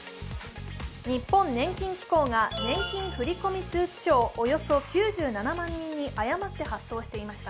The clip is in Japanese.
日本年金機構が年金振込通知書をおよそ９７万人に誤って発送していました。